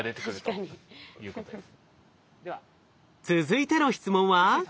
続いての質問は？